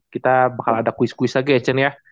kita bakal ada quiz quiz lagi ya can ya